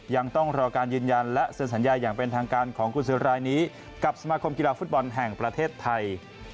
ยังต้องรอการยืนยันและเซ็นสัญญาอย่างเป็นทางการของกุญสือรายนี้กับสมาคมกีฬาฟุตบอลแห่งประเทศไทย